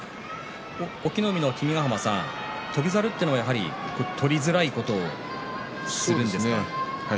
隠岐の海の君ヶ濱さん翔猿は取りづらいことをするんですか？